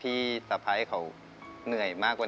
คุณหมอบอกว่าเอาไปพักฟื้นที่บ้านได้แล้ว